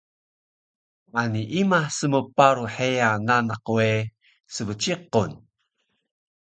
Ani ima smparu heya nanak we sbciqun